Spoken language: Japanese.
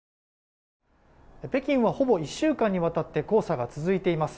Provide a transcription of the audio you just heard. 北京はほぼ１週間にわたって黄砂が続いています。